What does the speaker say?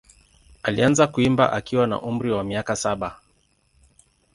Alianza kuimba akiwa na umri wa miaka saba.